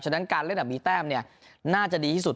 ฉะนั้นการเล่นแบบมีแต้มน่าจะดีที่สุด